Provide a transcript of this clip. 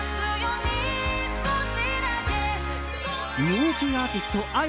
人気アーティストあ